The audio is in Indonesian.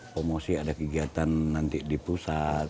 promosi ada kegiatan nanti di pusat